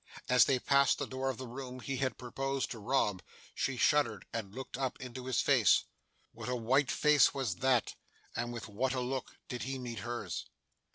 As they passed the door of the room he had proposed to rob, she shuddered and looked up into his face. What a white face was that, and with what a look did he meet hers!